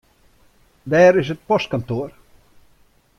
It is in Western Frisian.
Wêr is it postkantoar?